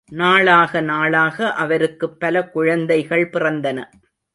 நாளாக நாளாக அவருக்குப் பல குழந்தைகள் பிறந்தன.